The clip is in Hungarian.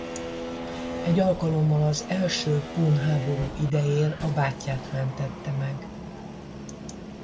Egy alkalommal az első pun háború idején a bátyját mentette meg.